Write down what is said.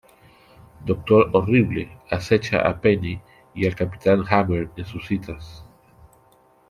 Dr. Horrible acecha a Penny y al Capitán Hammer en sus citas.